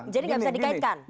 jadi gak bisa dikaitkan